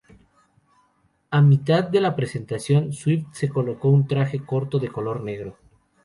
A mitad de la presentación, Swift se colocó un traje corto de color negro.